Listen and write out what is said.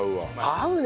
合うね！